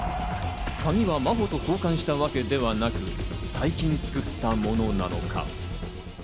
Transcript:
鍵は真帆と交換したわけではなく、最近作ったものなのか？